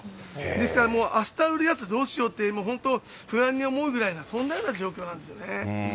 ですからもう、あした売るやつどうしようって、本当、不安に思うぐらいなそんなような状況なんですよね。